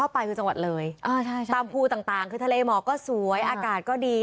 บอกใคร